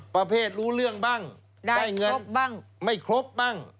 ประเภทรู้เรื่องบ้างได้เงินบ้างไม่ครบบ้าง